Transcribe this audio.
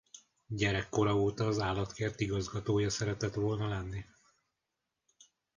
Gyerekkora óta az Állatkert igazgatója szeretett volna lenni.